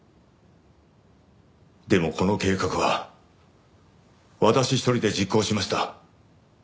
でもこの計画は私一人で実行しました。